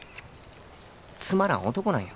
つまらん男なんよ